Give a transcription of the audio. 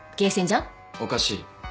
おかしい。